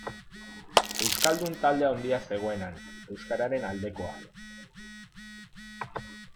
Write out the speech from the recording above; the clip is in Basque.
Euskaldun talde handia zegoen han, euskararen aldekoa.